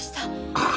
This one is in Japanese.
ああ！